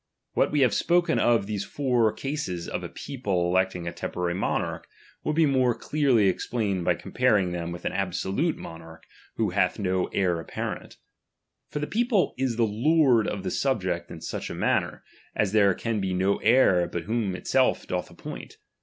What chap. vn. we have spoken of these four cases of a people '~'~~^ electing a temporary mojtarch, will be more clearly n.onaiLii>. eaplained by comparing them with an absolute mo 9^€rck■viho hath no heir apparent. For the people is lord of the subject iu such a manner, as there osm be no heir but whom itself doth appoint.